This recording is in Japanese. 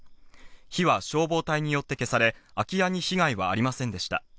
火は消防隊によって消され、空き家に被害はありませんでした。